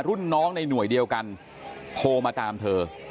รุ่นน้องในหน่วยเดียวกันโทรมาตามเธอ